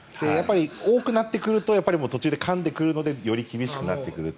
多くなってくると途中でかんでくるので厳しくなってくると。